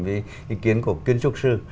với ý kiến của kiến trúc sư